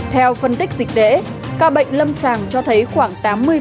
theo phân tích dịch tễ ca bệnh lâm sàng cho thấy khoảng tám mươi